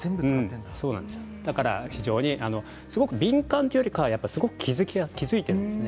だから非常にすごく敏感というよりかは気付いてるんです。